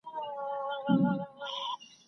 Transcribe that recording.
ولي د جنین د ژوند حق لانجمن دی؟